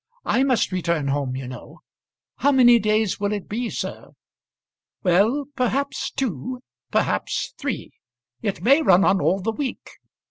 "I must return home, you know. How many days will it be, sir?" "Well, perhaps two, perhaps three. It may run on all the week.